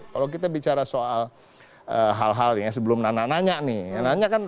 kalau kita bicara soal hal hal ya sebelum nana nanya nih nanya kan